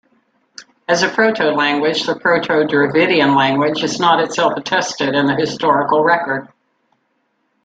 As a proto-language, the Proto-Dravidian language is not itself attested in the historical record.